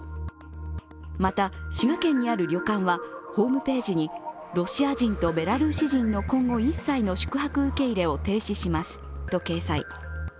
また、滋賀県にある旅館はホームページにロシア人とベラルーシ人の今後一切の宿泊受け入れを停止しますと、掲載。